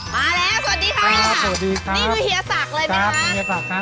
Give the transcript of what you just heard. มาแล้วสวัสดีค่ะนี่คือเหยียสักเลยไหมคะ